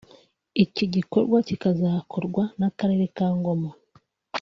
Iki gikorwa kikazakorwa n’Akarere ka Ngoma